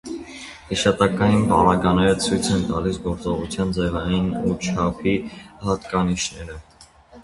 Հատկանշային պարագաները ցույց են տալիս գործողության ձևային ու չափի հատկանիշները։